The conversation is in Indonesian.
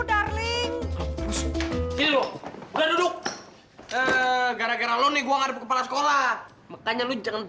darling duduk gara gara lo nih gua ngarep kepala sekolah makanya lu jangan